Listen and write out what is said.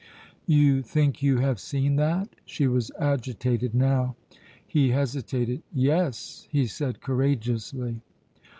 "You think you have seen that!" She was agitated now. He hesitated. "Yes," he said courageously.